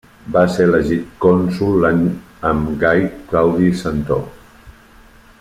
Va ser elegit cònsol l'any amb Gai Claudi Centó.